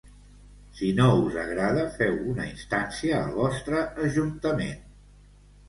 Si no us agrada, feu una instància al vostre Ajuntament.